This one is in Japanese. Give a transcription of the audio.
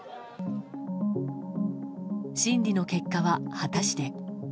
審理の結果は、果たして。